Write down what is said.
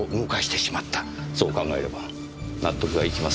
そう考えれば納得がいきます。